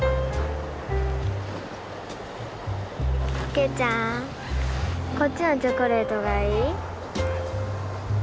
啓ちゃんこっちのチョコレートがいい？